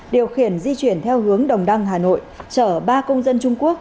điều khiển di chuyển theo hướng đồng đăng hà nội chở ba công dân trung quốc